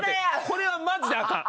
これはマジであかん。